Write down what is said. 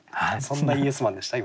そんなイエスマンでした？